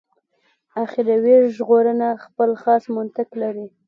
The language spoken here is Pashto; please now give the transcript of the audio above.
اخروي ژغورنه خپل خاص منطق لري.